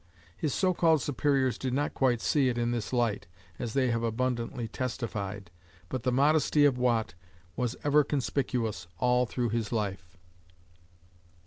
His so called superiors did not quite see it in this light, as they have abundantly testified, but the modesty of Watt was ever conspicuous all through his life.